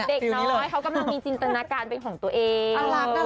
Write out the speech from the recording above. เด็กน้อยเขากำลังมีจินตนาการเป็นของตัวเอง